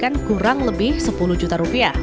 kita siapkan kurang lebih sepuluh juta rupiah